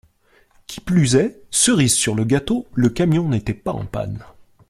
Qui plus est, cerise sur le gâteau : le camion n’était pas en panne.